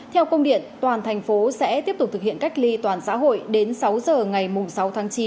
theo công điện toàn thành phố sẽ tiếp tục thực hiện cách ly toàn xã hội đến sáu giờ ngày sáu tháng chín